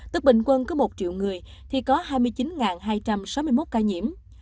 tức bình quân cứ một triệu người thì có hai mươi chín hai trăm sáu mươi một ca nhiễm